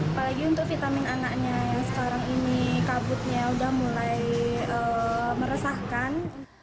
apalagi untuk vitamin anaknya yang sekarang ini kabutnya sudah mulai meresahkan